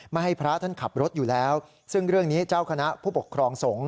ให้พระท่านขับรถอยู่แล้วซึ่งเรื่องนี้เจ้าคณะผู้ปกครองสงฆ